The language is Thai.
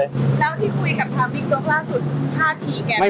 ๕ทีแค่